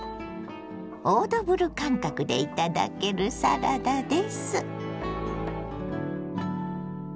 オードブル感覚で頂けるサラダです。